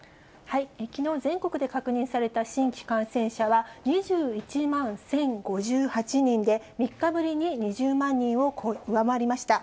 きのう、全国で確認された新規感染者は２１万１０５８人で、３日ぶりに２０万人を上回りました。